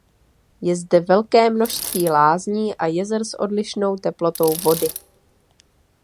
Je zde velké množství lázní a jezer s odlišnou teplotou vody.